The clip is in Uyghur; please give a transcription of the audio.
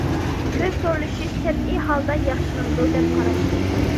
كۆز تورلىشىش تەبىئىي ھالدا ياخشىلىنىدۇ، دەپ قاراش.